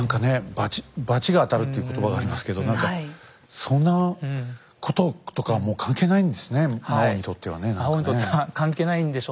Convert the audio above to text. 「罰が当たる」っていう言葉がありますけど何かそんなこととかはもう関係ないんですね